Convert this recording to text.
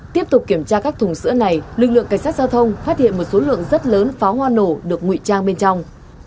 tiếp tục kiểm tra các thùng sữa này lực lượng cảnh sát giao thông phát hiện một số lượng rất lớn pháo hoa nổ được nguy trang bên trong